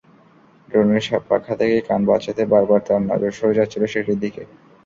ড্রোনের পাখা থেকে কান বাঁচাতে বারবার তাঁর নজর সরে যাচ্ছিল সেটির দিকে।